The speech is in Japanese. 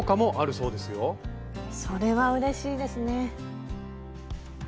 それはうれしいですね。